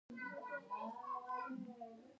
مسینجر کې دې پخوا غـــــــږونه اورم